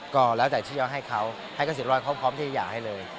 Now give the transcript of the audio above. ก็แล้วแต่ที่ว่าให้เขาให้เกษตรกรเขาพร้อมที่จะหย่าให้เลย